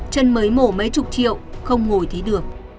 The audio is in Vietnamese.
chân mới mổ mấy chục triệu không ngồi thấy được